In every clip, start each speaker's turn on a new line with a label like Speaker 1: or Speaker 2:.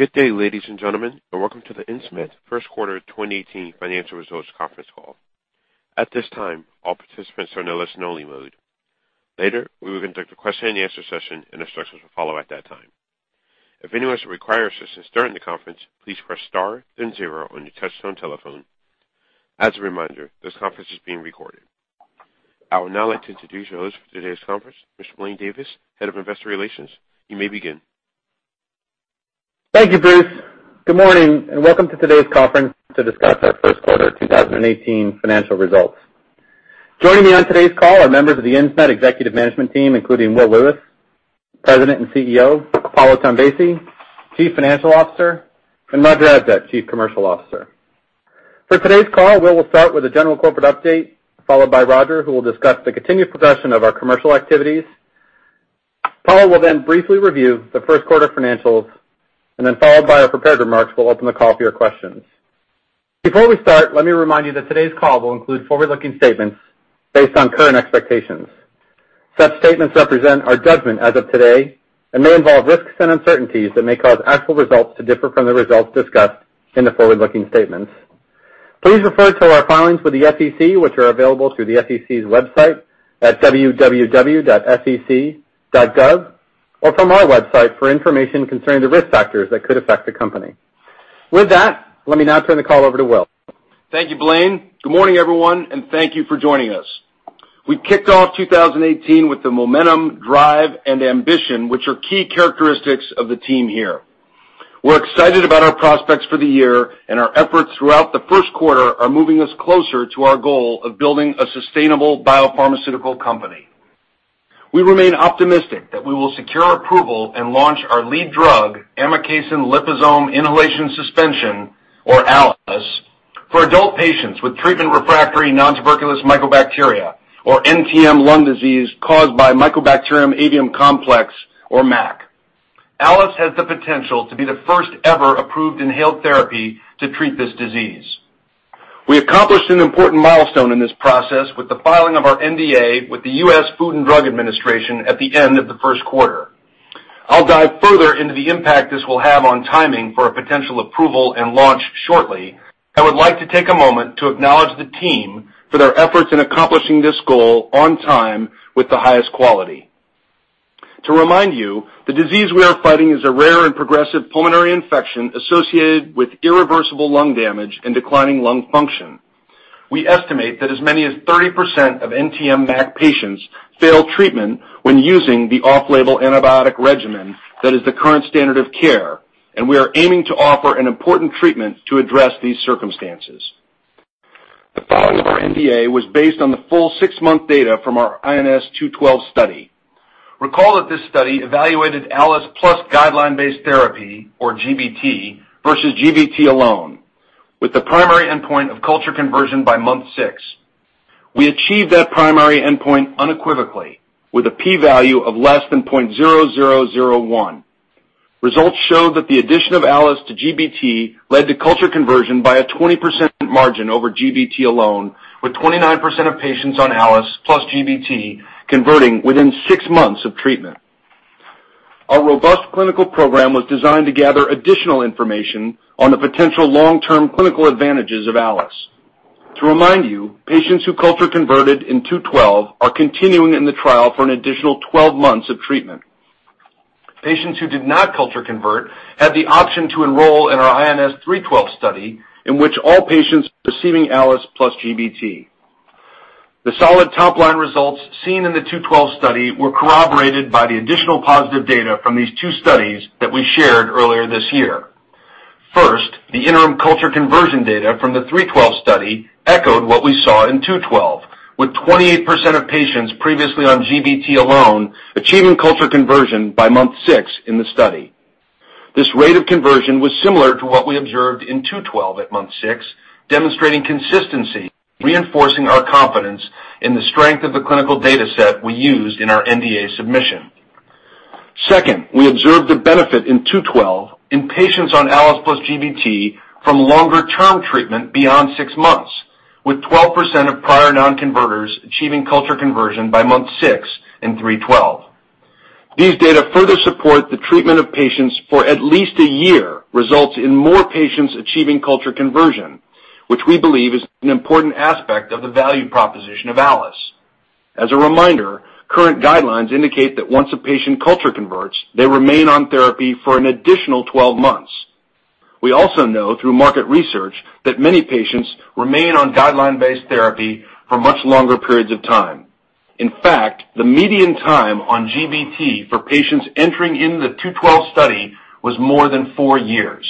Speaker 1: Good day, ladies and gentlemen, and welcome to the Insmed First Quarter 2018 Financial Results Conference Call. At this time, all participants are in a listen-only mode. Later, we will conduct a question and answer session, and instructions will follow at that time. If anyone should require assistance during the conference, please press star then zero on your touchtone telephone. As a reminder, this conference is being recorded. I would now like to introduce your host for today's conference, Mr. Blaine Davis, Head of Investor Relations. You may begin.
Speaker 2: Thank you, Bruce. Good morning, and welcome to today's conference to discuss our first quarter 2018 financial results. Joining me on today's call are members of the Insmed executive management team, including Will Lewis, President and CEO, Paolo Tombesi, Chief Financial Officer, and Roger Adsett, Chief Commercial Officer. For today's call, Will will start with a general corporate update, followed by Roger, who will discuss the continued progression of our commercial activities. Paolo will then briefly review the first quarter financials. Followed by our prepared remarks, we'll open the call for your questions. Before we start, let me remind you that today's call will include forward-looking statements based on current expectations. Such statements represent our judgment as of today and may involve risks and uncertainties that may cause actual results to differ from the results discussed in the forward-looking statements. Please refer to our filings with the SEC, which are available through the SEC's website at www.sec.gov or from our website for information concerning the risk factors that could affect the company. With that, let me now turn the call over to Will.
Speaker 3: Thank you, Blaine. Good morning, everyone. Thank you for joining us. We kicked off 2018 with the momentum, drive, and ambition which are key characteristics of the team here. We're excited about our prospects for the year. Our efforts throughout the first quarter are moving us closer to our goal of building a sustainable biopharmaceutical company. We remain optimistic that we will secure approval and launch our lead drug, amikacin liposome inhalation suspension, or ALIS, for adult patients with treatment-refractory nontuberculous mycobacteria, or NTM, lung disease caused by Mycobacterium avium complex, or MAC. ALIS has the potential to be the first ever approved inhaled therapy to treat this disease. We accomplished an important milestone in this process with the filing of our NDA with the U.S. Food and Drug Administration at the end of the first quarter. I'll dive further into the impact this will have on timing for a potential approval and launch shortly. I would like to take a moment to acknowledge the team for their efforts in accomplishing this goal on time with the highest quality. To remind you, the disease we are fighting is a rare and progressive pulmonary infection associated with irreversible lung damage and declining lung function. We estimate that as many as 30% of NTM MAC patients fail treatment when using the off-label antibiotic regimen that is the current standard of care, and we are aiming to offer an important treatment to address these circumstances. The filing of our NDA was based on the full six-month data from our INS-212 study. Recall that this study evaluated ALIS plus guideline-based therapy, or GBT, versus GBT alone, with the primary endpoint of culture conversion by month six. We achieved that primary endpoint unequivocally with a P value of less than 0.0001. Results show that the addition of ALIS to GBT led to culture conversion by a 20% margin over GBT alone, with 29% of patients on ALIS plus GBT converting within six months of treatment. Our robust clinical program was designed to gather additional information on the potential long-term clinical advantages of ALIS. To remind you, patients who culture converted in 212 are continuing in the trial for an additional 12 months of treatment. Patients who did not culture convert had the option to enroll in our INS-312 study, in which all patients receiving ALIS plus GBT. The solid top-line results seen in the 212 study were corroborated by the additional positive data from these two studies that we shared earlier this year. First, the interim culture conversion data from the 312 study echoed what we saw in 212, with 28% of patients previously on GBT alone achieving culture conversion by month six in the study. This rate of conversion was similar to what we observed in 212 at month six, demonstrating consistency, reinforcing our confidence in the strength of the clinical data set we used in our NDA submission. Second, we observed a benefit in 212 in patients on ALIS plus GBT from longer-term treatment beyond six months, with 12% of prior non-converters achieving culture conversion by month six in 312. These data further support the treatment of patients for at least a year results in more patients achieving culture conversion, which we believe is an important aspect of the value proposition of ALIS. As a reminder, current guidelines indicate that once a patient culture converts, they remain on therapy for an additional 12 months. We also know through market research that many patients remain on guideline-based therapy for much longer periods of time. In fact, the median time on GBT for patients entering into the 212 study was more than four years.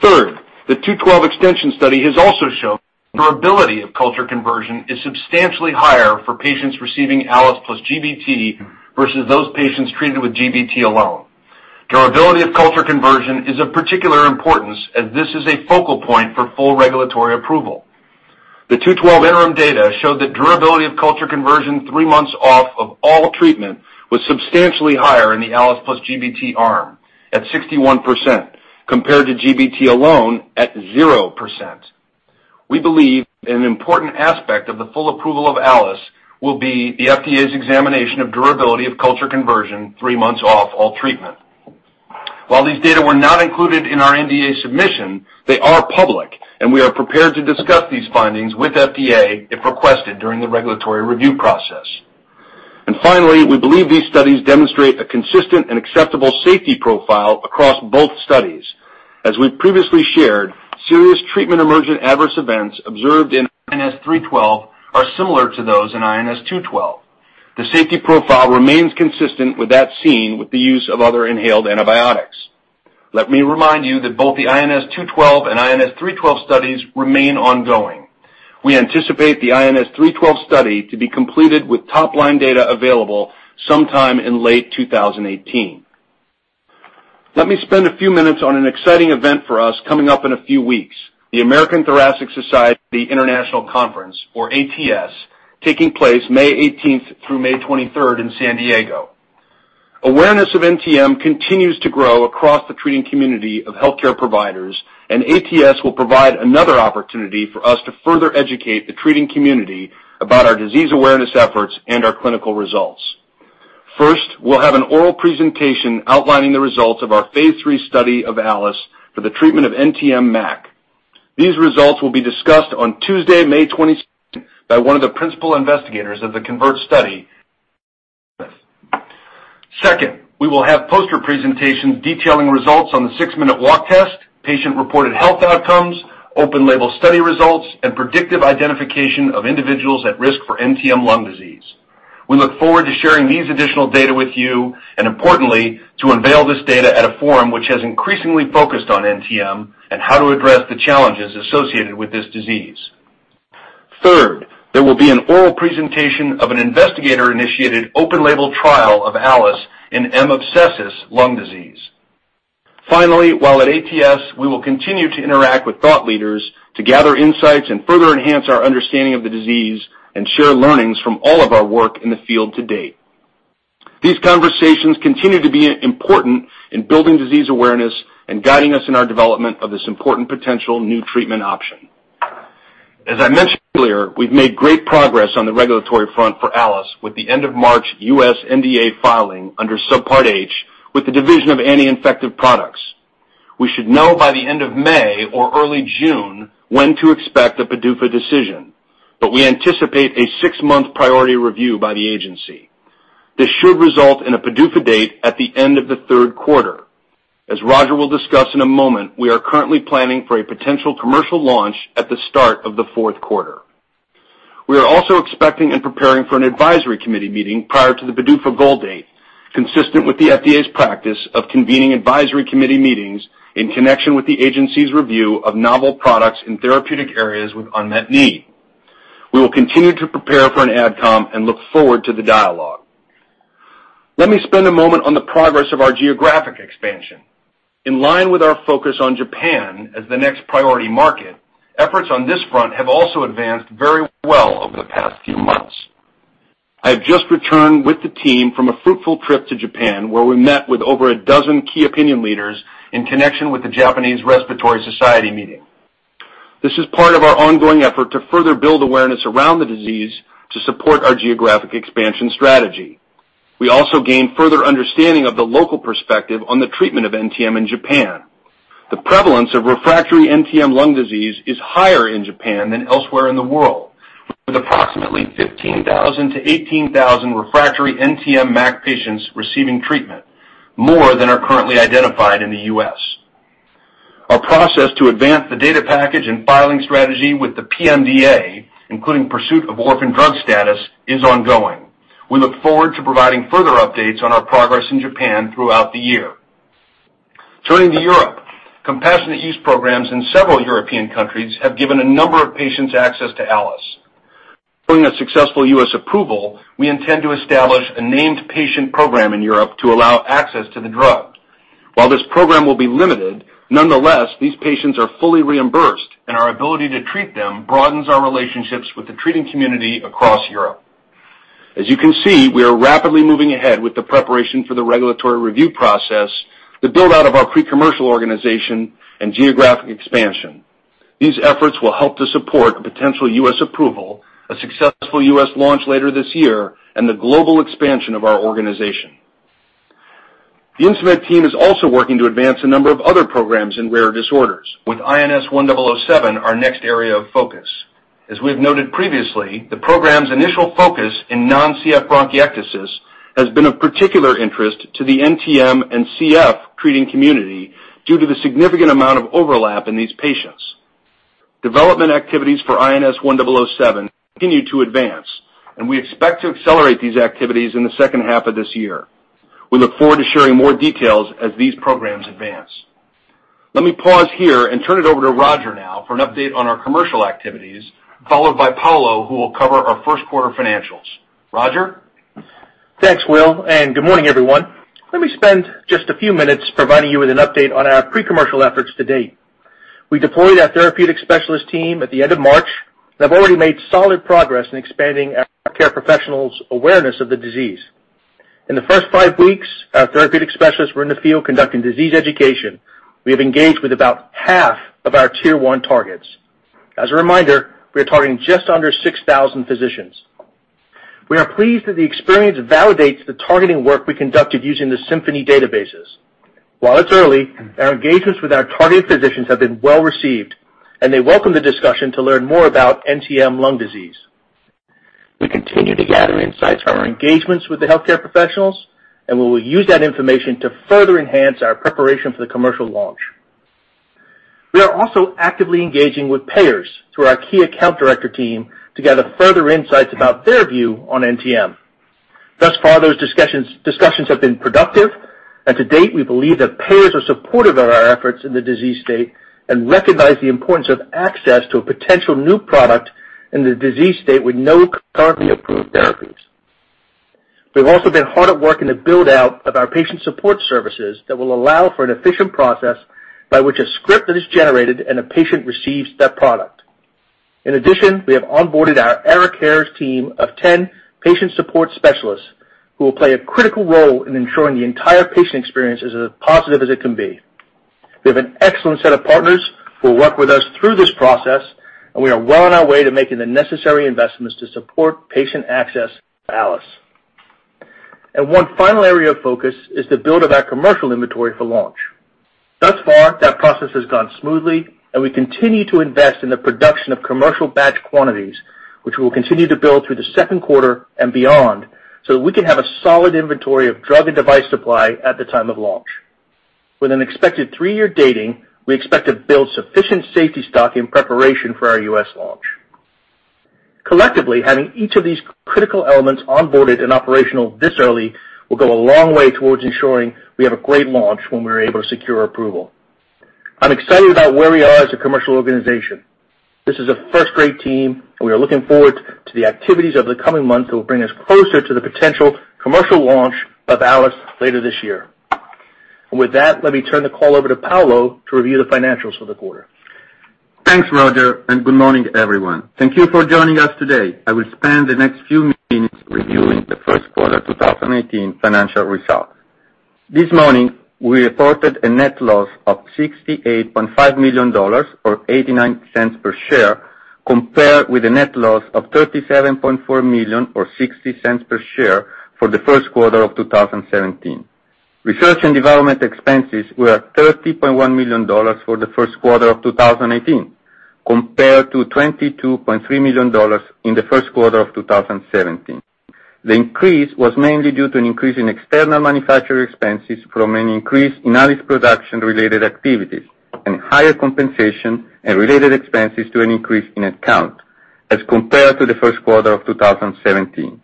Speaker 3: Third, the 212 extension study has also shown durability of culture conversion is substantially higher for patients receiving ALIS plus GBT versus those patients treated with GBT alone. Durability of culture conversion is of particular importance as this is a focal point for full regulatory approval. The 212 interim data showed that durability of culture conversion three months off of all treatment was substantially higher in the ALIS plus GBT arm, at 61%, compared to GBT alone at 0%. We believe an important aspect of the full approval of ALIS will be the FDA's examination of durability of culture conversion three months off all treatment. While these data were not included in our NDA submission, they are public, and we are prepared to discuss these findings with FDA if requested during the regulatory review process. Finally, we believe these studies demonstrate a consistent and acceptable safety profile across both studies. As we've previously shared, serious treatment emergent adverse events observed in INS-312 are similar to those in INS-212. The safety profile remains consistent with that seen with the use of other inhaled antibiotics. Let me remind you that both the INS-212 and INS-312 studies remain ongoing. We anticipate the INS-312 study to be completed with top-line data available sometime in late 2018. Let me spend a few minutes on an exciting event for us coming up in a few weeks, the American Thoracic Society International Conference, or ATS, taking place May 18th through May 23rd in San Diego. Awareness of NTM continues to grow across the treating community of healthcare providers, and ATS will provide another opportunity for us to further educate the treating community about our disease awareness efforts and our clinical results. First, we'll have an oral presentation outlining the results of our phase III study of ALIS for the treatment of NTM-MAC. These results will be discussed on Tuesday, May 22nd by one of the principal investigators of the CONVERT study. Second, we will have poster presentations detailing results on the six-minute walk test, patient-reported health outcomes, open-label study results, and predictive identification of individuals at risk for NTM lung disease. We look forward to sharing these additional data with you, and importantly, to unveil this data at a forum which has increasingly focused on NTM and how to address the challenges associated with this disease. Third, there will be an oral presentation of an investigator-initiated open-label trial of ALIS in M. abscessus lung disease. Finally, while at ATS, we will continue to interact with thought leaders to gather insights and further enhance our understanding of the disease and share learnings from all of our work in the field to date. These conversations continue to be important in building disease awareness and guiding us in our development of this important potential new treatment option. As I mentioned earlier, we've made great progress on the regulatory front for ALIS with the end of March U.S. NDA filing under Subpart H with the Division of Anti-Infectives. We should know by the end of May or early June when to expect a PDUFA decision, but we anticipate a six-month priority review by the agency. This should result in a PDUFA date at the end of the third quarter. As Roger will discuss in a moment, we are currently planning for a potential commercial launch at the start of the fourth quarter. We are also expecting and preparing for an Advisory Committee meeting prior to the PDUFA goal date, consistent with the FDA's practice of convening Advisory Committee meetings in connection with the agency's review of novel products in therapeutic areas with unmet need. We will continue to prepare for an AdCom and look forward to the dialogue. Let me spend a moment on the progress of our geographic expansion. In line with our focus on Japan as the next priority market, efforts on this front have also advanced very well over the past few months. I have just returned with the team from a fruitful trip to Japan, where we met with over a dozen key opinion leaders in connection with the Japanese Respiratory Society meeting. This is part of our ongoing effort to further build awareness around the disease to support our geographic expansion strategy. We also gained further understanding of the local perspective on the treatment of NTM in Japan. The prevalence of refractory NTM lung disease is higher in Japan than elsewhere in the world, with approximately 15,000-18,000 refractory NTM-MAC patients receiving treatment, more than are currently identified in the U.S. Our process to advance the data package and filing strategy with the PMDA, including pursuit of orphan drug status, is ongoing. We look forward to providing further updates on our progress in Japan throughout the year. Turning to Europe, compassionate use programs in several European countries have given a number of patients access to ALIS. Following a successful U.S. approval, we intend to establish a named patient program in Europe to allow access to the drug. While this program will be limited, nonetheless, these patients are fully reimbursed, and our ability to treat them broadens our relationships with the treating community across Europe. As you can see, we are rapidly moving ahead with the preparation for the regulatory review process, the build-out of our pre-commercial organization, and geographic expansion. These efforts will help to support a potential U.S. approval, a successful U.S. launch later this year, and the global expansion of our organization. The Insmed team is also working to advance a number of other programs in rare disorders, with INS-1007 our next area of focus. As we have noted previously, the program's initial focus in non-CF bronchiectasis has been of particular interest to the NTM and CF treating community due to the significant amount of overlap in these patients. Development activities for INS-1007 continue to advance, and we expect to accelerate these activities in the second half of this year. We look forward to sharing more details as these programs advance. Let me pause here and turn it over to Roger now for an update on our commercial activities, followed by Paolo, who will cover our first quarter financials. Roger?
Speaker 4: Thanks, Will, and good morning, everyone. Let me spend just a few minutes providing you with an update on our pre-commercial efforts to date. We deployed our therapeutic specialist team at the end of March and have already made solid progress in expanding our care professionals' awareness of the disease. In the first five weeks, our therapeutic specialists were in the field conducting disease education. We have engaged with about half of our tier 1 targets. As a reminder, we are targeting just under 6,000 physicians. We are pleased that the experience validates the targeting work we conducted using the Symphony databases. While it's early, our engagements with our targeted physicians have been well-received, and they welcome the discussion to learn more about NTM lung disease. We continue to gather insights from our engagements with the healthcare professionals. We will use that information to further enhance our preparation for the commercial launch. We are also actively engaging with payers through our key account director team to gather further insights about their view on NTM. Thus far, those discussions have been productive. To date, we believe that payers are supportive of our efforts in the disease state and recognize the importance of access to a potential new product in the disease state with no currently approved therapies. We've also been hard at work in the build-out of our patient support services that will allow for an efficient process by which a script is generated and a patient receives that product. In addition, we have onboarded our Era Cares team of 10 patient support specialists who will play a critical role in ensuring the entire patient experience is as positive as it can be. We have an excellent set of partners who will work with us through this process. We are well on our way to making the necessary investments to support patient access to ALIS. One final area of focus is the build of our commercial inventory for launch. Thus far, that process has gone smoothly. We continue to invest in the production of commercial batch quantities, which we will continue to build through the second quarter and beyond. We can have a solid inventory of drug and device supply at the time of launch. With an expected three-year dating, we expect to build sufficient safety stock in preparation for our U.S. launch. Collectively, having each of these critical elements onboarded and operational this early will go a long way towards ensuring we have a great launch when we're able to secure approval. I'm excited about where we are as a commercial organization. This is a first-rate team. We are looking forward to the activities over the coming months that will bring us closer to the potential commercial launch of ALIS later this year. With that, let me turn the call over to Paolo to review the financials for the quarter.
Speaker 5: Thanks, Roger. Good morning, everyone. Thank you for joining us today. I will spend the next few minutes reviewing the first quarter 2018 financial results. This morning, we reported a net loss of $68.5 million, or $0.89 per share, compared with a net loss of $37.4 million or $0.60 per share for the first quarter of 2017. Research and development expenses were at $30.1 million for the first quarter of 2018, compared to $22.3 million in the first quarter of 2017. The increase was mainly due to an increase in external manufacturer expenses from an increase in ALIS production-related activities and higher compensation and related expenses to an increase in headcount as compared to the first quarter of 2017.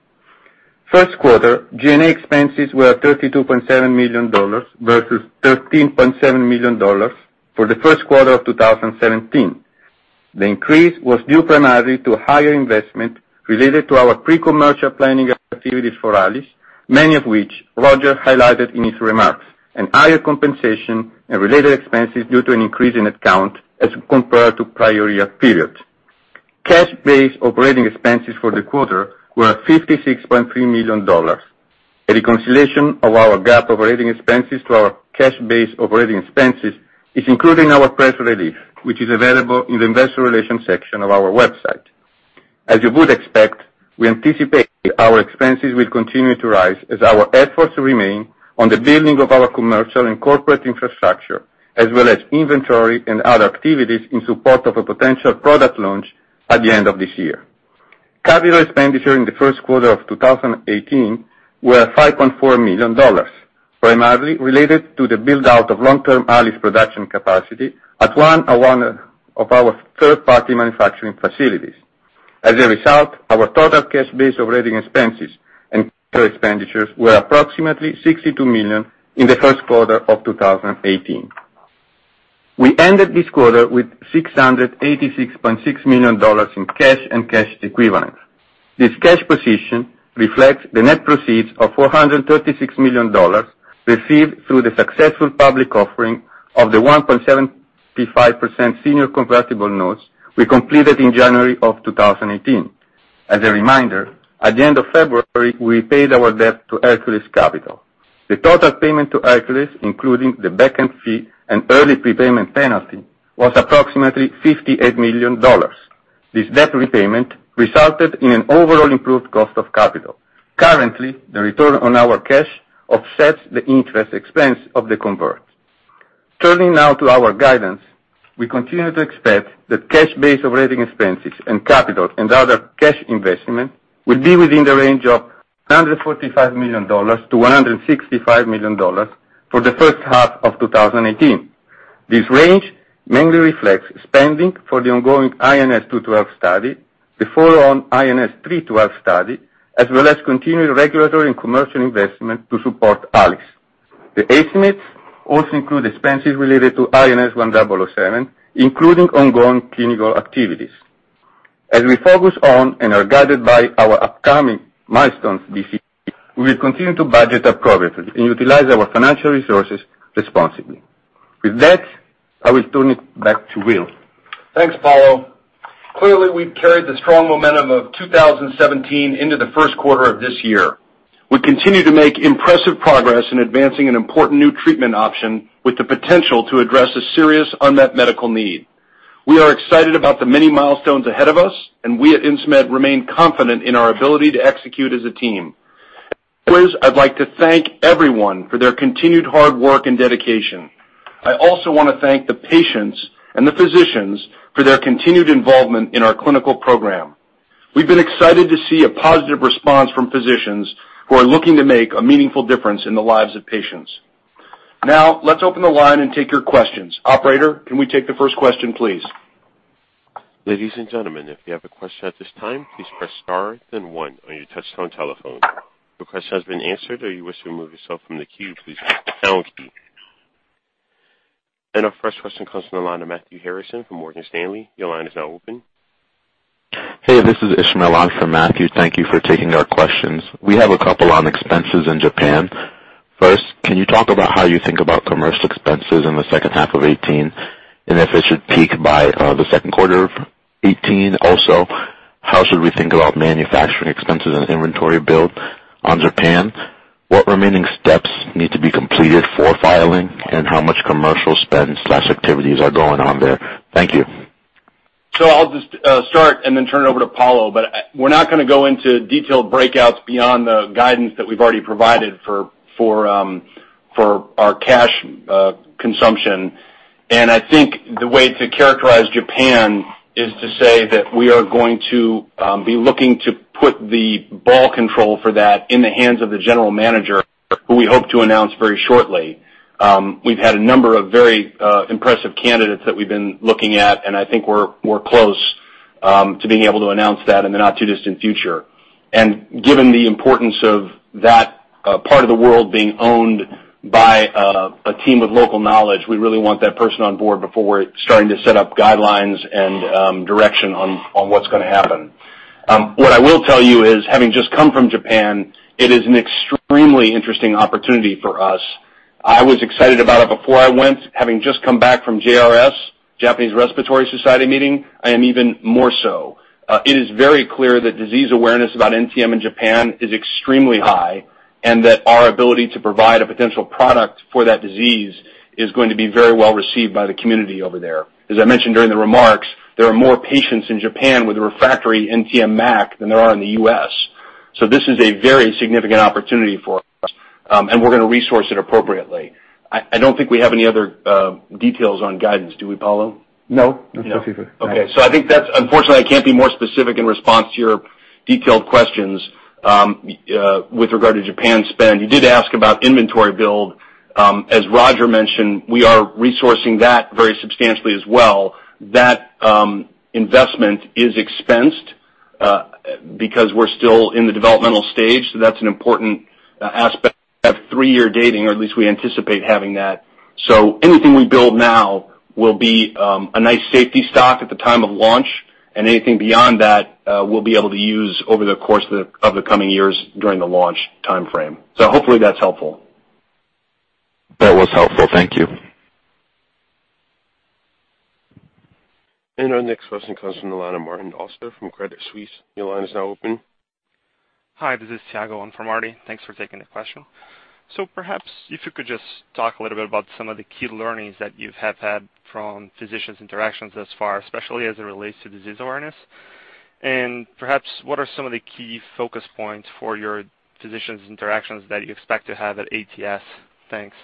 Speaker 5: First quarter, G&A expenses were at $32.7 million versus $13.7 million for the first quarter of 2017. The increase was due primarily to a higher investment related to our pre-commercial planning activities for ARIKAYCE, many of which Roger highlighted in his remarks, and higher compensation and related expenses due to an increase in headcount as compared to prior-year period. Cash-based operating expenses for the quarter were at $56.3 million. A reconciliation of our GAAP operating expenses to our cash-based operating expenses is included in our press release, which is available in the investor relations section of our website. As you would expect, we anticipate our expenses will continue to rise as our efforts remain on the building of our commercial and corporate infrastructure, as well as inventory and other activities in support of a potential product launch at the end of this year. Capital expenditures in the first quarter of 2018 were $5.4 million, primarily related to the build-out of long-term ARIKAYCE production capacity at one of our third-party manufacturing facilities. As a result, our total cash-based operating expenses and capital expenditures were approximately $62 million in the first quarter of 2018. We ended this quarter with $686.6 million in cash and cash equivalents. This cash position reflects the net proceeds of $436 million received through the successful public offering of the 1.75% senior convertible notes we completed in January of 2018. As a reminder, at the end of February, we paid our debt to Hercules Capital. The total payment to Hercules, including the back-end fee and early prepayment penalty, was approximately $58 million. This debt repayment resulted in an overall improved cost of capital. Currently, the return on our cash offsets the interest expense of the convert. Turning now to our guidance. We continue to expect that cash-based operating expenses and capital and other cash investment will be within the range of $145 million to $165 million for the first half of 2018. This range mainly reflects spending for the ongoing INS-212 study, the follow-on INS-312 study, as well as continued regulatory and commercial investment to support ARIKAYCE. The estimates also include expenses related to INS-1007, including ongoing clinical activities. As we focus on and are guided by our upcoming milestones this year, we will continue to budget appropriately and utilize our financial resources responsibly. With that, I will turn it back to Will.
Speaker 3: Thanks, Paolo. Clearly, we've carried the strong momentum of 2017 into the first quarter of this year. We continue to make impressive progress in advancing an important new treatment option with the potential to address a serious unmet medical need. We are excited about the many milestones ahead of us, and we at Insmed remain confident in our ability to execute as a team. I'd like to thank everyone for their continued hard work and dedication. I also want to thank the patients and the physicians for their continued involvement in our clinical program. We've been excited to see a positive response from physicians who are looking to make a meaningful difference in the lives of patients. Let's open the line and take your questions. Operator, can we take the first question, please?
Speaker 1: Ladies and gentlemen, if you have a question at this time, please press star then one on your touchtone telephone. If your question has been answered or you wish to remove yourself from the queue, please press the pound key. Our first question comes from the line of Matthew Harrison from Morgan Stanley. Your line is now open.
Speaker 6: Hey, this is Ismael on for Matthew. Thank you for taking our questions. We have a couple on expenses in Japan. First, can you talk about how you think about commercial expenses in the second half of 2018, and if it should peak by the second quarter of 2018? Also, how should we think about manufacturing expenses and inventory build on Japan? What remaining steps need to be completed for filing, and how much commercial spend/activities are going on there? Thank you.
Speaker 3: I'll just start and then turn it over to Paolo. We're not going to go into detailed breakouts beyond the guidance that we've already provided for our cash consumption. I think the way to characterize Japan is to say that we are going to be looking to put the ball control for that in the hands of the general manager, who we hope to announce very shortly. We've had a number of very impressive candidates that we've been looking at, and I think we're close to being able to announce that in the not-too-distant future. Given the importance of that part of the world being owned by a team of local knowledge, we really want that person on board before we're starting to set up guidelines and direction on what's going to happen. What I will tell you is, having just come from Japan, it is an extremely interesting opportunity for us. I was excited about it before I went. Having just come back from JRS, Japanese Respiratory Society meeting, I am even more so. It is very clear that disease awareness about NTM in Japan is extremely high, and that our ability to provide a potential product for that disease is going to be very well received by the community over there. As I mentioned during the remarks, there are more patients in Japan with refractory NTM MAC than there are in the U.S. This is a very significant opportunity for us, and we're going to resource it appropriately. I don't think we have any other details on guidance. Do we, Paolo?
Speaker 5: No. No. Okay. I think that unfortunately, I can't be more specific in response to your detailed questions with regard to Japan spend. You did ask about inventory build. As Roger mentioned, we are resourcing that very substantially as well. That investment is expensed because we're still in the developmental stage, so that's an important aspect of three-year dating, or at least we anticipate having that. Anything we build now will be a nice safety stock at the time of launch, and anything beyond that we'll be able to use over the course of the coming years during the launch timeframe. Hopefully that's helpful.
Speaker 6: That was helpful. Thank you.
Speaker 1: Our next question comes from the line of Martin Auster from Credit Suisse. Your line is now open.
Speaker 7: Hi, this is Tiago on for Marty. Thanks for taking the question. Perhaps if you could just talk a little bit about some of the key learnings that you have had from physicians' interactions thus far, especially as it relates to disease awareness. Perhaps what are some of the key focus points for your physicians' interactions that you expect to have at ATS? Thanks.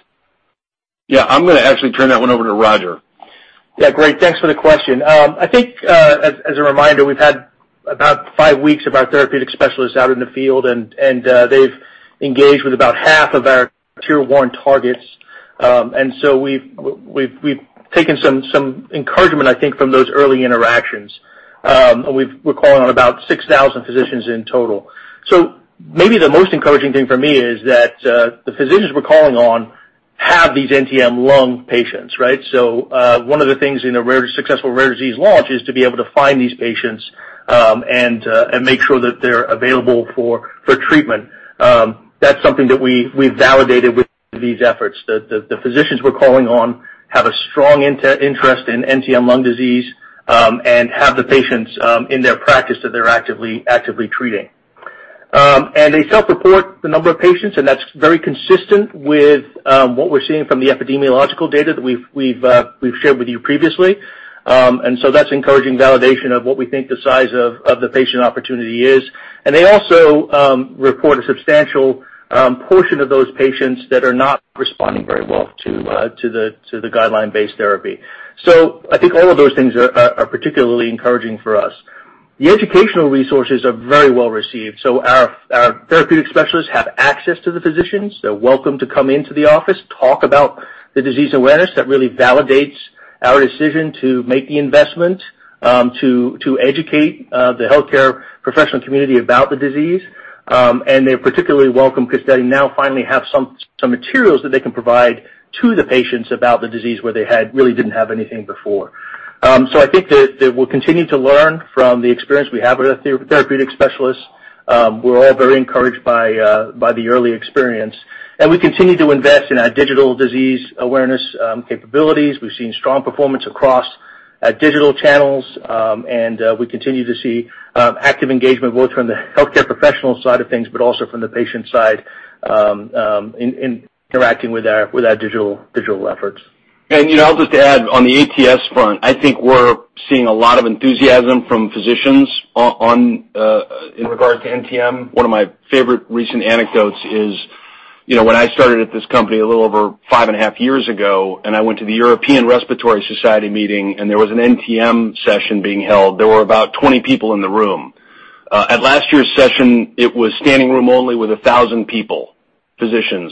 Speaker 3: Yeah. I'm going to actually turn that one over to Roger.
Speaker 4: Yeah, great. Thanks for the question. As a reminder, we've had about five weeks of our therapeutic specialists out in the field, and they've engaged with about half of our tier 1 targets. We've taken some encouragement from those early interactions. We're calling on about 6,000 physicians in total. Maybe the most encouraging thing for me is that the physicians we're calling on have these NTM lung patients, right? One of the things in a successful rare disease launch is to be able to find these patients and make sure that they're available for treatment. That's something that we've validated with these efforts. The physicians we're calling on have a strong interest in NTM lung disease and have the patients in their practice that they're actively treating. They self-report the number of patients, and that's very consistent with what we're seeing from the epidemiological data that we've shared with you previously. That's encouraging validation of what we think the size of the patient opportunity is. They also report a substantial portion of those patients that are not responding very well to the guideline-based therapy. All of those things are particularly encouraging for us. The educational resources are very well received. Our therapeutic specialists have access to the physicians. They're welcome to come into the office, talk about the disease awareness that really validates our decision to make the investment to educate the healthcare professional community about the disease. They're particularly welcome because they now finally have some materials that they can provide to the patients about the disease where they really didn't have anything before. I think that we'll continue to learn from the experience we have with our therapeutic specialists. We're all very encouraged by the early experience. We continue to invest in our digital disease awareness capabilities. We've seen strong performance across our digital channels, we continue to see active engagement, both from the healthcare professional side of things, also from the patient side interacting with our digital efforts.
Speaker 3: Just to add on the ATS front, I think we're seeing a lot of enthusiasm from physicians in regard to NTM. One of my favorite recent anecdotes is when I started at this company a little over five and a half years ago, I went to the European Respiratory Society meeting, there was an NTM session being held. There were about 20 people in the room. At last year's session, it was standing room only with 1,000 people, physicians,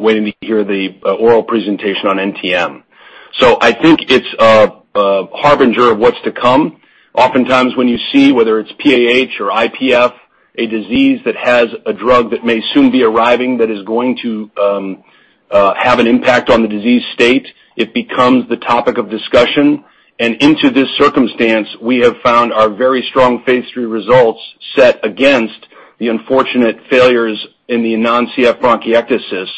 Speaker 3: waiting to hear the oral presentation on NTM. I think it's a harbinger of what's to come. Oftentimes, when you see whether it's PAH or IPF, a disease that has a drug that may soon be arriving that is going to have an impact on the disease state, it becomes the topic of discussion. Into this circumstance, we have found our very strong phase III results set against the unfortunate failures in the non-CF bronchiectasis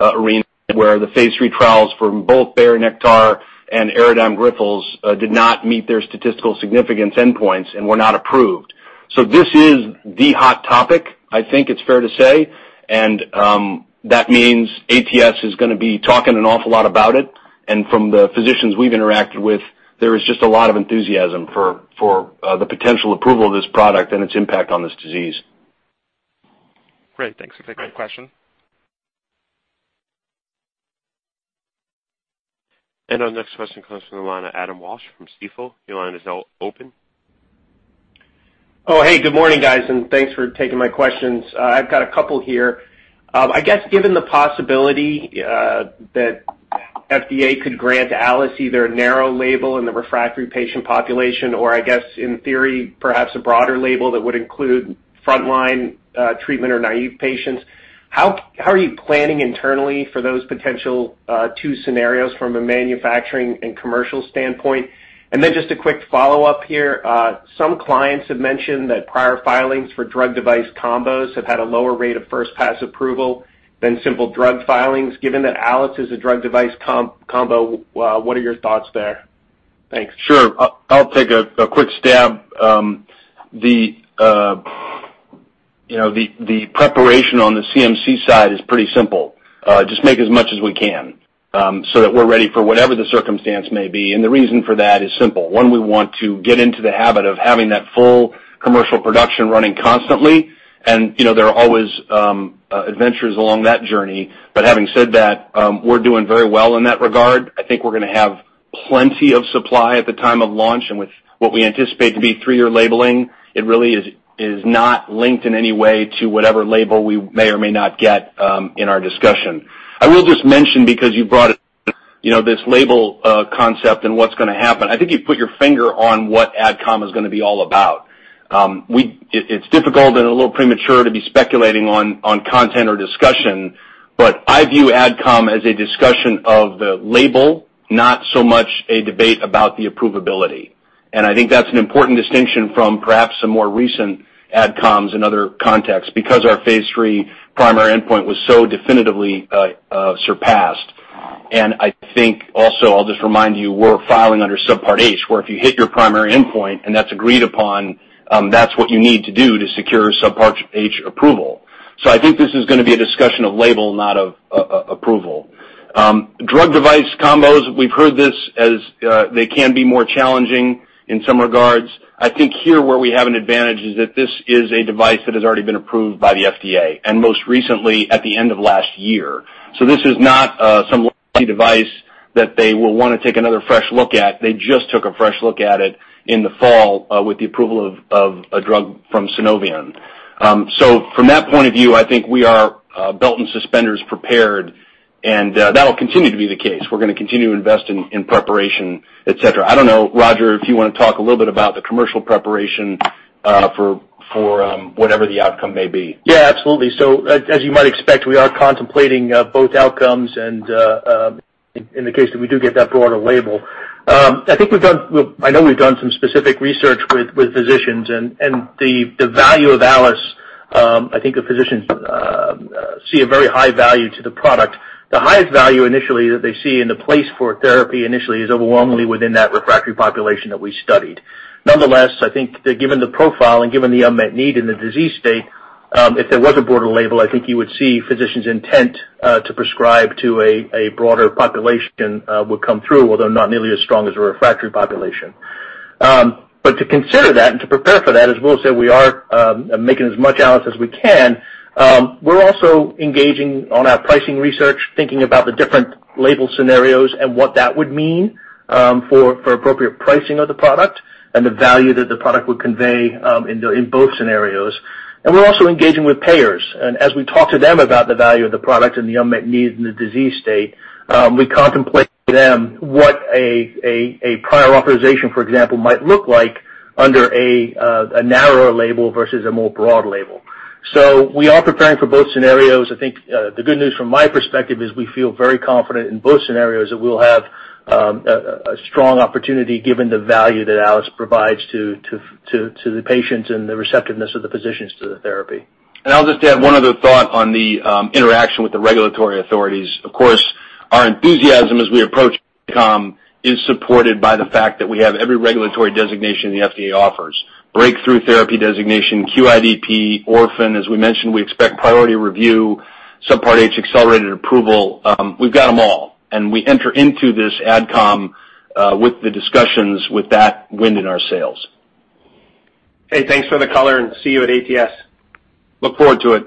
Speaker 3: arena, where the phase III trials for both Bayer Nektar and Aradigm Grifols did not meet their statistical significance endpoints and were not approved. This is the hot topic, I think it's fair to say, that means ATS is going to be talking an awful lot about it. From the physicians we've interacted with, there is just a lot of enthusiasm for the potential approval of this product and its impact on this disease.
Speaker 7: Great. Thanks.
Speaker 3: Great.
Speaker 7: I think good question.
Speaker 1: Our next question comes from the line of Adam Walsh from Stifel. Your line is now open.
Speaker 8: Hey, good morning, guys, and thanks for taking my questions. I've got a couple here. Given the possibility that FDA could grant ARIKAYCE either a narrow label in the refractory patient population or in theory, perhaps a broader label that would include frontline treatment or naive patients, how are you planning internally for those potential two scenarios from a manufacturing and commercial standpoint? Just a quick follow-up here. Some clients have mentioned that prior filings for drug device combos have had a lower rate of first-pass approval than simple drug filings. Given that ARIKAYCE is a drug device combo, what are your thoughts there? Thanks.
Speaker 3: Sure. I'll take a quick stab. The preparation on the CMC side is pretty simple. Just make as much as we can so that we're ready for whatever the circumstance may be. The reason for that is simple. One, we want to get into the habit of having that full commercial production running constantly, and there are always adventures along that journey. Having said that, we're doing very well in that regard. I think we're going to have plenty of supply at the time of launch and with what we anticipate to be three-year labeling. It really is not linked in any way to whatever label we may or may not get in our discussion. I will just mention, because you brought it, this label concept and what's going to happen. I think you've put your finger on what AdCom is going to be all about. It's difficult and a little premature to be speculating on content or discussion, but I view AdCom as a discussion of the label, not so much a debate about the approvability. I think that's an important distinction from perhaps some more recent AdComs in other contexts, because our phase III primary endpoint was so definitively surpassed. I think also, I'll just remind you, we're filing under Subpart H, where if you hit your primary endpoint and that's agreed upon, that's what you need to do to secure Subpart H approval. I think this is going to be a discussion of label, not of approval. Drug device combos, we've heard this as they can be more challenging in some regards. I think here where we have an advantage is that this is a device that has already been approved by the FDA, and most recently at the end of last year. This is not some device that they will want to take another fresh look at. They just took a fresh look at it in the fall with the approval of a drug from Chiesi. From that point of view, I think we are belt and suspenders prepared, and that'll continue to be the case. We're going to continue to invest in preparation, et cetera. I don't know, Roger, if you want to talk a little bit about the commercial preparation for whatever the outcome may be.
Speaker 4: Yeah, absolutely. As you might expect, we are contemplating both outcomes and in the case that we do get that broader label. I know we've done some specific research with physicians, and the value of ARIKAYCE, I think the physicians see a very high value to the product. The highest value initially that they see and the place for therapy initially is overwhelmingly within that refractory population that we studied. Nonetheless, I think that given the profile and given the unmet need in the disease state, if there was a broader label, I think you would see physicians' intent to prescribe to a broader population would come through, although not nearly as strong as a refractory population. To consider that and to prepare for that, as Will said, we are making as much ARIKAYCE as we can. We're also engaging on our pricing research, thinking about the different label scenarios and what that would mean for appropriate pricing of the product and the value that the product would convey in both scenarios. We're also engaging with payers. As we talk to them about the value of the product and the unmet need in the disease state, we contemplate to them what a prior authorization, for example, might look like under a narrower label versus a more broad label. We are preparing for both scenarios. I think the good news from my perspective is we feel very confident in both scenarios that we'll have a strong opportunity given the value that ARIKAYCE provides to the patients and the receptiveness of the physicians to the therapy.
Speaker 3: I'll just add one other thought on the interaction with the regulatory authorities. Of course, our enthusiasm as we approach AdCom is supported by the fact that we have every regulatory designation the FDA offers. Breakthrough therapy designation, QIDP, orphan. As we mentioned, we expect priority review, Subpart H accelerated approval. We've got them all. We enter into this AdCom with the discussions with that wind in our sails.
Speaker 8: Hey, thanks for the color and see you at ATS.
Speaker 3: Look forward to it.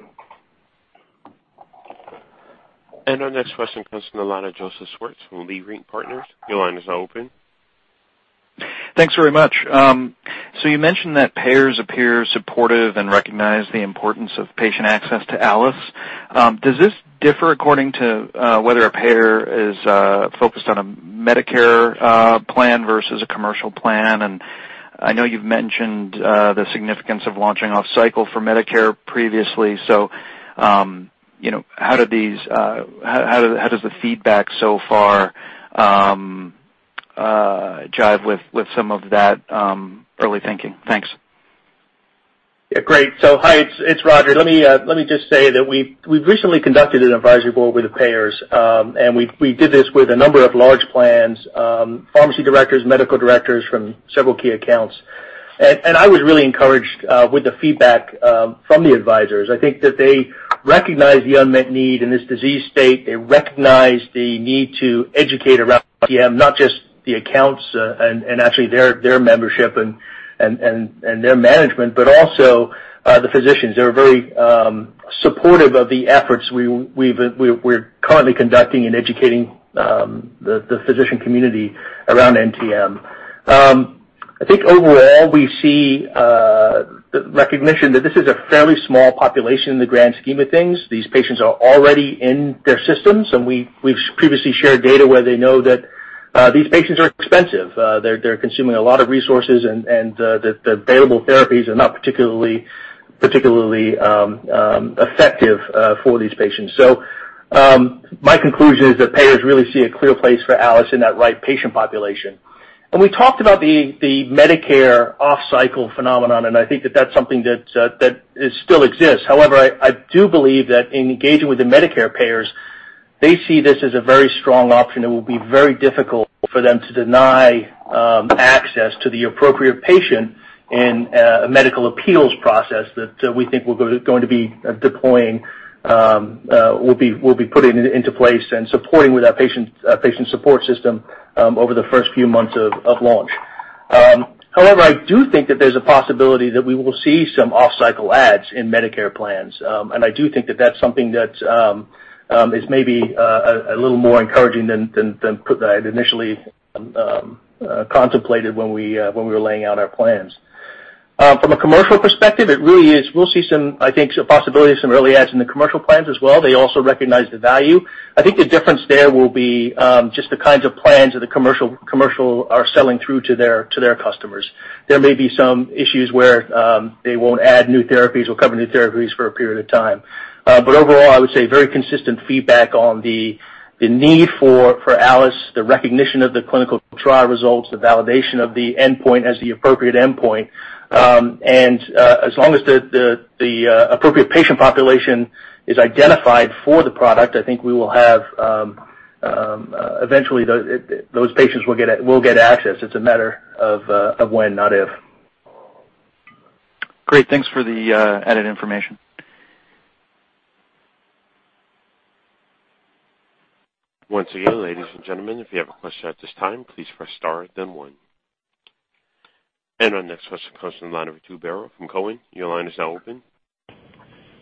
Speaker 1: Our next question comes from the line of Joseph Schwartz from Leerink Partners. Your line is now open.
Speaker 9: Thanks very much. You mentioned that payers appear supportive and recognize the importance of patient access to ARIKAYCE. Does this differ according to whether a payer is focused on a Medicare plan versus a commercial plan? I know you've mentioned the significance of launching off-cycle for Medicare previously. How does the feedback so far jibe with some of that early thinking? Thanks.
Speaker 4: Yeah. Great. Hi, it's Roger. Let me just say that we recently conducted an advisory board with the payers. We did this with a number of large plans, pharmacy directors, medical directors from several key accounts. I was really encouraged with the feedback from the advisors. I think that they recognize the unmet need in this disease state. They recognize the need to educate around NTM, not just the accounts, and actually their membership and their management, but also the physicians. They're very supportive of the efforts we're currently conducting in educating the physician community around NTM. I think overall, we see the recognition that this is a fairly small population in the grand scheme of things. These patients are already in their systems, and we've previously shared data where they know that these patients are expensive. They're consuming a lot of resources and the available therapies are not particularly effective for these patients. My conclusion is that payers really see a clear place for ARIKAYCE in that right patient population. We talked about the Medicare off-cycle phenomenon, and I think that that's something that still exists. However, I do believe that in engaging with the Medicare payers, they see this as a very strong option. It will be very difficult for them to deny access to the appropriate patient in a medical appeals process that we think we're going to be deploying, we'll be putting into place and supporting with our patient support system over the first few months of launch. However, I do think that there's a possibility that we will see some off-cycle ads in Medicare plans. I do think that that's something that is maybe a little more encouraging than I'd initially contemplated when we were laying out our plans. From a commercial perspective, we'll see some, I think, possibility of some early ads in the commercial plans as well. They also recognize the value. I think the difference there will be just the kinds of plans that the commercial are selling through to their customers. There may be some issues where they won't add new therapies or cover new therapies for a period of time. Overall, I would say very consistent feedback on the need for ARIKAYCE, the recognition of the clinical trial results, the validation of the endpoint as the appropriate endpoint. As long as the appropriate patient population is identified for the product, eventually those patients will get access. It's a matter of when, not if.
Speaker 9: Great. Thanks for the added information.
Speaker 1: Once again, ladies and gentlemen, if you have a question at this time, please press star then one. Our next question comes from the line of Tubero from Cowen. Your line is now open.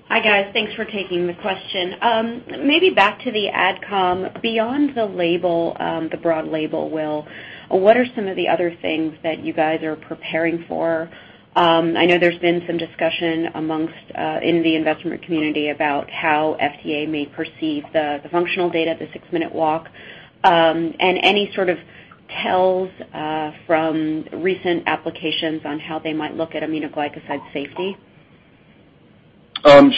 Speaker 10: Hi, guys. Thanks for taking the question. Maybe back to the AdCom. Beyond the label, the broad label, Will, what are some of the other things that you guys are preparing for? I know there's been some discussion in the investment community about how FDA may perceive the functional data, the six-minute walk, and any sort of tells from recent applications on how they might look at aminoglycoside safety.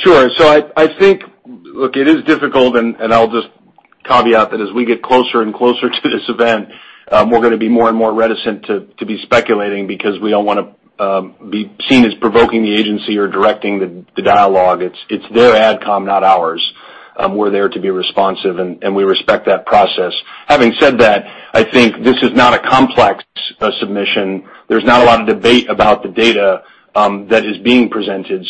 Speaker 3: Sure. I think Look, it is difficult, and I'll just caveat that as we get closer and closer to this event, we're going to be more and more reticent to be speculating because we don't want to be seen as provoking the agency or directing the dialogue. It's their AdCom, not ours. We're there to be responsive, and we respect that process. Having said that, I think this is not a complex submission. There's not a lot of debate about the data that is being presented.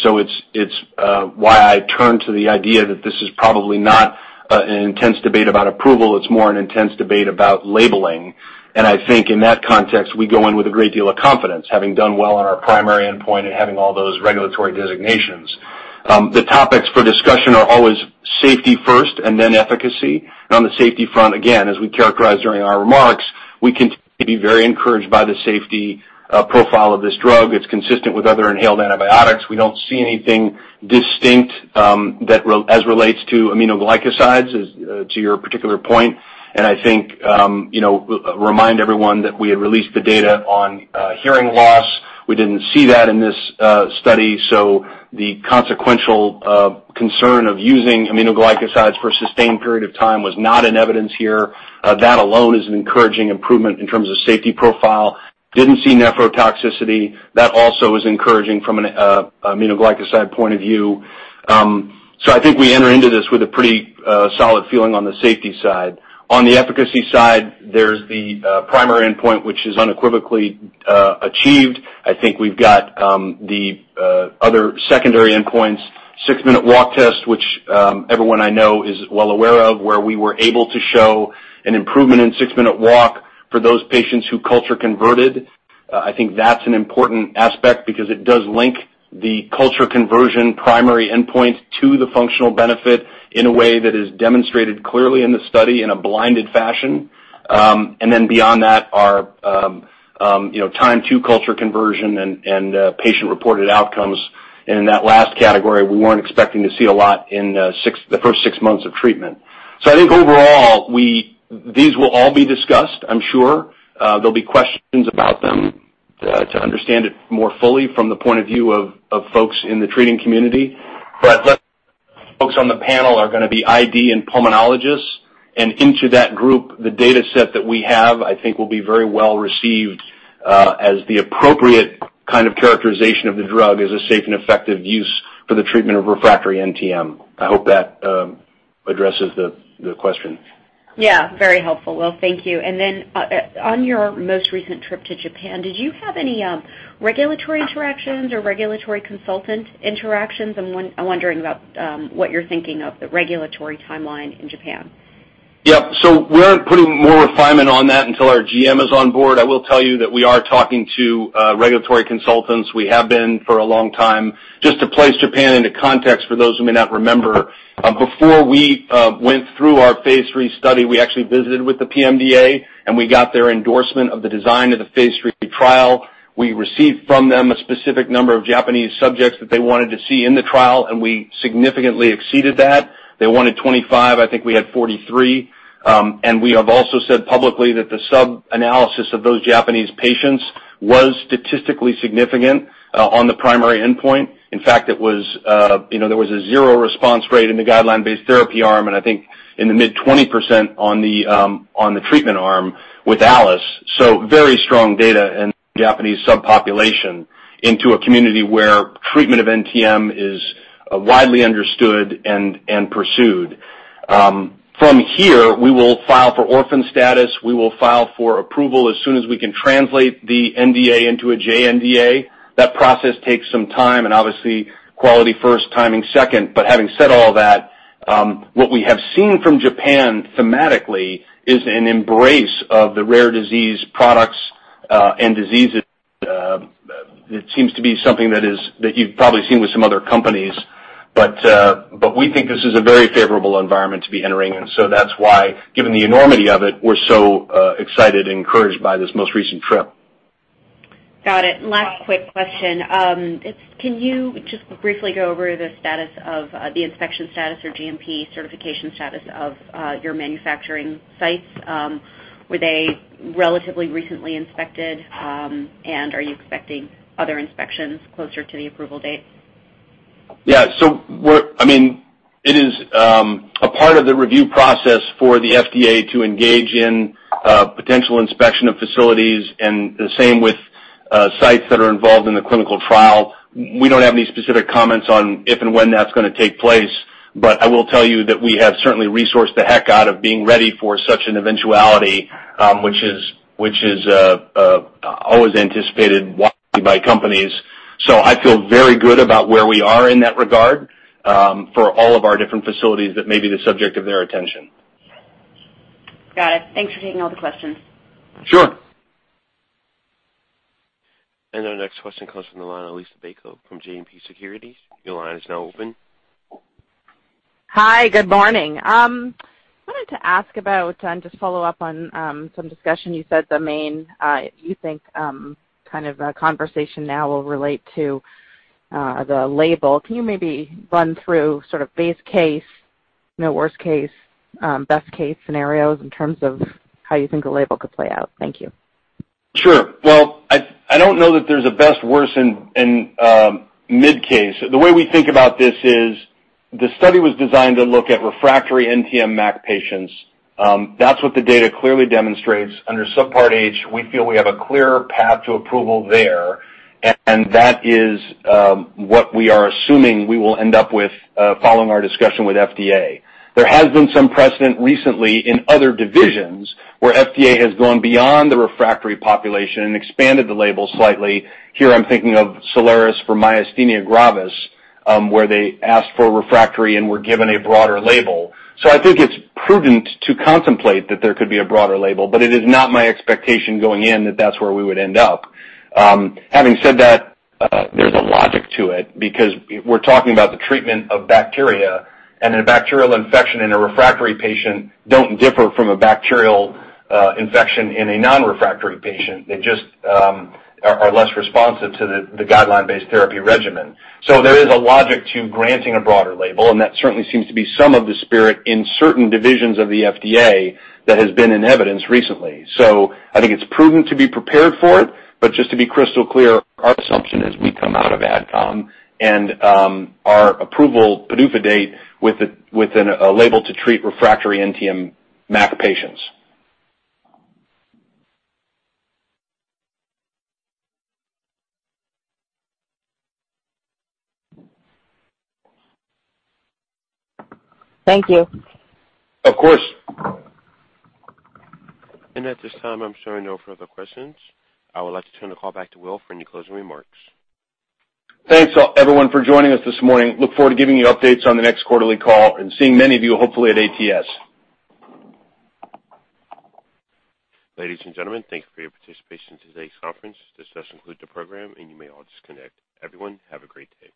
Speaker 3: It's why I turn to the idea that this is probably not an intense debate about approval. It's more an intense debate about labeling. I think in that context, we go in with a great deal of confidence, having done well on our primary endpoint and having all those regulatory designations. The topics for discussion are always safety first and then efficacy. On the safety front, again, as we characterized during our remarks, we continue to be very encouraged by the safety profile of this drug. It's consistent with other inhaled antibiotics. We don't see anything distinct as relates to aminoglycosides, to your particular point. I think, remind everyone that we had released the data on hearing loss. We didn't see that in this study, so the consequential concern of using aminoglycosides for a sustained period of time was not in evidence here. That alone is an encouraging improvement in terms of safety profile. Didn't see nephrotoxicity. That also is encouraging from an aminoglycoside point of view. I think we enter into this with a pretty solid feeling on the safety side. On the efficacy side, there's the primary endpoint, which is unequivocally achieved. I think we've got the other secondary endpoints, six-minute walk test, which everyone I know is well aware of, where we were able to show an improvement in six-minute walk for those patients who culture converted. I think that's an important aspect because it does link the culture conversion primary endpoint to the functional benefit in a way that is demonstrated clearly in the study in a blinded fashion. Then beyond that are time to culture conversion and patient-reported outcomes. In that last category, we weren't expecting to see a lot in the first six months of treatment. I think overall, these will all be discussed, I'm sure. There'll be questions about them to understand it more fully from the point of view of folks in the treating community. Folks on the panel are going to be ID and pulmonologists, and into that group, the data set that we have, I think will be very well-received as the appropriate kind of characterization of the drug as a safe and effective use for the treatment of refractory NTM. I hope that addresses the question.
Speaker 10: Yeah. Very helpful. Well, thank you. On your most recent trip to Japan, did you have any regulatory interactions or regulatory consultant interactions? I'm wondering about what you're thinking of the regulatory timeline in Japan.
Speaker 3: Yeah. We aren't putting more refinement on that until our GM is on board. I will tell you that we are talking to regulatory consultants. We have been for a long time. Just to place Japan into context for those who may not remember, before we went through our phase III study, we actually visited with the PMDA, and we got their endorsement of the design of the phase III trial. We received from them a specific number of Japanese subjects that they wanted to see in the trial, and we significantly exceeded that. They wanted 25, I think we had 43. We have also said publicly that the sub-analysis of those Japanese patients was statistically significant on the primary endpoint. In fact, there was a zero response rate in the guideline-based therapy arm, and I think in the mid-20% on the treatment arm with ALIS. Very strong data in the Japanese subpopulation into a community where treatment of NTM is widely understood and pursued. From here, we will file for orphan status. We will file for approval as soon as we can translate the NDA into a JNDA. That process takes some time, and obviously, quality first, timing second. Having said all that, what we have seen from Japan thematically is an embrace of the rare disease products and diseases. It seems to be something that you've probably seen with some other companies, but we think this is a very favorable environment to be entering. That's why, given the enormity of it, we're so excited and encouraged by this most recent trip.
Speaker 10: Got it. Last quick question. Can you just briefly go over the status of the inspection status or GMP certification status of your manufacturing sites? Were they relatively recently inspected, and are you expecting other inspections closer to the approval date?
Speaker 3: Yeah. It is a part of the review process for the FDA to engage in potential inspection of facilities and the same with sites that are involved in the clinical trial. We don't have any specific comments on if and when that's going to take place. I will tell you that we have certainly resourced the heck out of being ready for such an eventuality, which is always anticipated widely by companies. I feel very good about where we are in that regard for all of our different facilities that may be the subject of their attention.
Speaker 10: Got it. Thanks for taking all the questions.
Speaker 3: Sure.
Speaker 1: Our next question comes from the line of Liisa Bayko from JMP Securities. Your line is now open.
Speaker 11: Hi. Good morning. I wanted to ask about, just follow up on some discussion. You said the main, you think, kind of conversation now will relate to the label. Can you maybe run through sort of base case, worst case, best case scenarios in terms of how you think the label could play out? Thank you.
Speaker 3: Sure. Well, I don't know that there's a best, worst, and mid case. The way we think about this is the study was designed to look at refractory NTM MAC patients. That's what the data clearly demonstrates. Under Subpart H, we feel we have a clear path to approval there, and that is what we are assuming we will end up with following our discussion with FDA. There has been some precedent recently in other divisions where FDA has gone beyond the refractory population and expanded the label slightly. Here, I'm thinking of Soliris for myasthenia gravis, where they asked for refractory and were given a broader label. I think it's prudent to contemplate that there could be a broader label, but it is not my expectation going in that that's where we would end up. Having said that, there's a logic to it because we're talking about the treatment of bacteria, and a bacterial infection in a refractory patient don't differ from a bacterial infection in a non-refractory patient. They just are less responsive to the guideline-based therapy regimen. There is a logic to granting a broader label, and that certainly seems to be some of the spirit in certain divisions of the FDA that has been in evidence recently. I think it's prudent to be prepared for it, but just to be crystal clear, our assumption as we come out of AdCom and our approval PDUFA date with a label to treat refractory NTM MAC patients.
Speaker 11: Thank you.
Speaker 3: Of course.
Speaker 1: At this time, I'm showing no further questions. I would like to turn the call back to Will for any closing remarks.
Speaker 3: Thanks, everyone for joining us this morning. Look forward to giving you updates on the next quarterly call and seeing many of you hopefully at ATS.
Speaker 1: Ladies and gentlemen, thank you for your participation in today's conference. This does conclude the program and you may all disconnect. Everyone, have a great day.